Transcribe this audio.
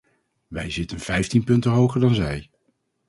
Wij zitten vijftien punten hoger dan zij.